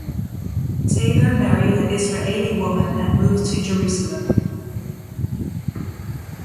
Taylor married an Israeli woman and moved to Jerusalem.